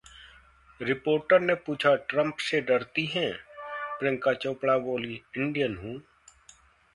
Reporter ने पूछा, Trump से डरती हैं? प्रियंका चोपड़ा बोलीं- इंडियन हूं!